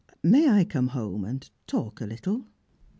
May I come home and talk a little?"